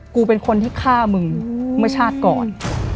กูเป็นคนที่ฆ่ามึงเมื่อชาติก่อน